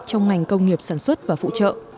trong ngành công nghiệp sản xuất và phụ trợ